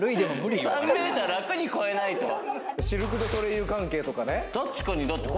『シルク・ドゥ・ソレイユ』関係とかね。